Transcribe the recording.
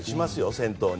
先頭に。